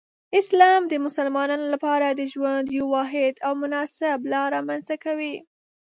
اسلام د مسلمانانو لپاره د ژوند یو واحد او مناسب لار رامنځته کوي.